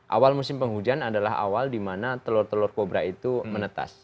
awal musim penghujan adalah awal di mana telur telur kobra itu menetas